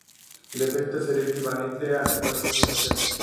El efecto sería equivalente al actual puño de acero.